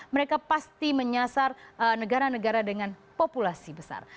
mereka pasti menyasar negara negara dengan populasi besar